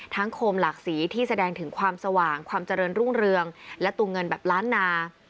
โคมหลากสีที่แสดงถึงความสว่างความเจริญรุ่งเรืองและตัวเงินแบบล้านนา